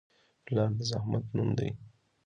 پلار د زحمت نوم دی.